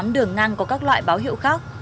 tám đường ngang có các loại báo hiệu khác